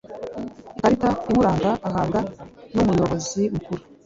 ikarita imuranga ahabwa n umuyobozi mukuru